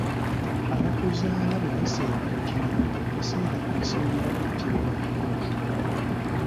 Abakuzaala bwe basemba ekintu ebiseera ebisinga kibeeera kituufu.